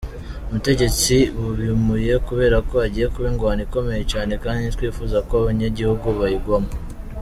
Ubutegetsi bubimuye kuberako hagiye kuba ingwano ikomeye cane kandi ntitwipfuza ko abanyagihugu bayigwamwo.